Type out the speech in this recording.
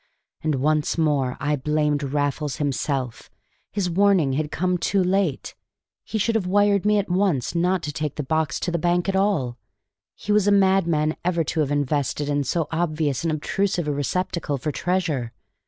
And once more I blamed Raffles himself: his warning had come too late: he should have wired to me at once not to take the box to the bank at all. He was a madman ever to have invested in so obvious and obtrusive a receptacle for treasure.